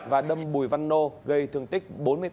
và đâm bùi văn nô gây thương tích bốn mươi tám